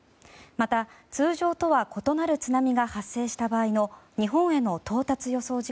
また、通常とは異なる津波が発生した場合の日本への到達予想